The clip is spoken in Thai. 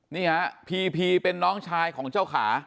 นี่ฮะพีพีเป็นน้องชายของเจ้าขา